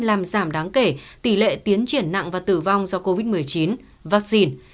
làm giảm đáng kể tỷ lệ tiến triển nặng và tử vong do covid một mươi chín vaccine